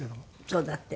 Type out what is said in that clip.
そうだって。